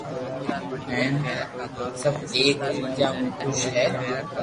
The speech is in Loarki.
ھي ھين سب ايڪ ٻيجا مون خوݾ ھي